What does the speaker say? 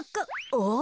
あっ？